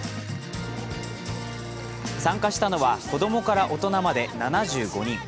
参加したのは、子供から大人まで７５人。